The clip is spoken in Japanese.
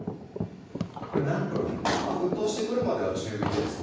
これ何分？沸騰してくるまでは中火でですね